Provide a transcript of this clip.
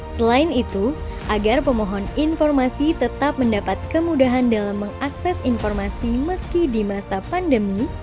selain itu agar pemohon informasi tetap mendapat kemudahan dalam mengakses informasi meski di masa pandemi